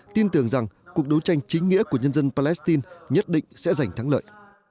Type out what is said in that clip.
tin tưởng rằng cuộc đấu tranh chính nghĩa của nhân dân palestine nhất định sẽ giành thắng lợi